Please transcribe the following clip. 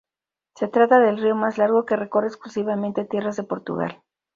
Se trata del río más largo que recorre exclusivamente tierras de Portugal.